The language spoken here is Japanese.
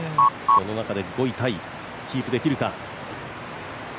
その中で５位タイ、キープできるか。